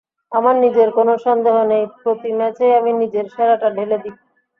আমার নিজের কোনো সন্দেহ নেই, প্রতি ম্যাচেই আমি নিজের সেরাটা ঢেলে দিই।